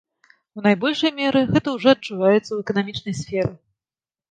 У найбольшай меры гэта ўжо адчуваецца ў эканамічнай сферы.